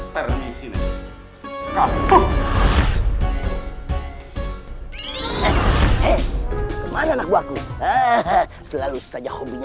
terus pergi dari rumah ini